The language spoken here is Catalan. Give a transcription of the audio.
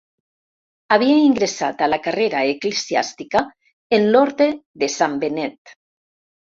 Havia ingressat a la carrera eclesiàstica en l'orde de Sant Benet.